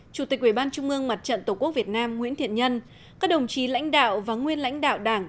chủ tịch ubnd mặt trận tổ quốc việt nam nguyễn thiện nhân các đồng chí lãnh đạo và nguyên lãnh đạo đảng